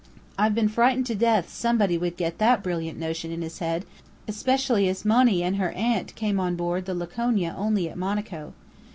I've been frightened to death somebody would get that brilliant notion in his head, especially as Monny and her aunt came on board the Laconia only at Monaco.